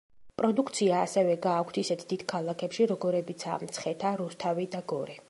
პროდუქცია ასევე გააქვთ ისეთ დიდ ქალაქებში, როგორებიცაა მცხეთა, რუსთავი და გორი.